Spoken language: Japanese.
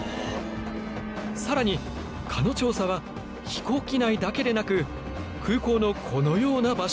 更に蚊の調査は飛行機内だけでなく空港のこのような場所にも。